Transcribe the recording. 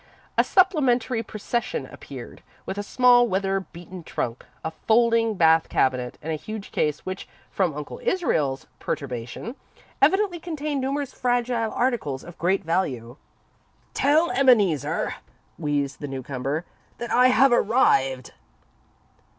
A supplementary procession appeared with a small, weather beaten trunk, a folding bath cabinet, and a huge case which, from Uncle Israel's perturbation, evidently contained numerous fragile articles of great value. "Tell Ebeneezer," wheezed the newcomer, "that I have arrived."